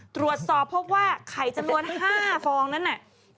ตรวจสอบพบว่าไข่จำนวน๕ฟองนั้นน่ะ